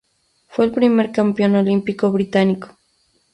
Fue el primer campeón olímpico británico.